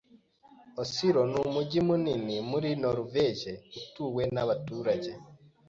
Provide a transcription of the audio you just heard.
Oslo n'umujyi munini muri Noruveje utuwe n'abaturage ..